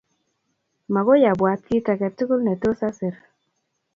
Makoy abwat kit ake tugul ne tos asir.